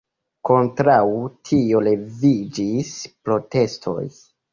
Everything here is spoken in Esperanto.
Kontraŭ tio leviĝis protestoj.